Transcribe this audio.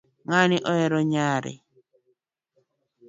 Ng'ani ohero nyare